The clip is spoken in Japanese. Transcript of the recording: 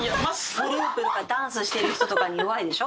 グループでダンスしてる人とかに弱いでしょ？